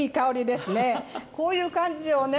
こういう感じをね